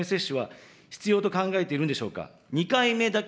３回目接種は必要と考えているんでしょうか。